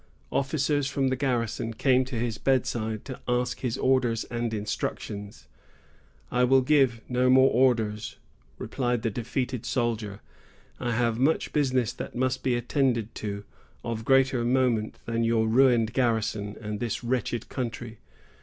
Officers from the garrison came to his bedside to ask his orders and instructions. "I will give no more orders," replied the defeated soldier; "I have much business that must be attended to, of greater moment than your ruined garrison and this wretched country.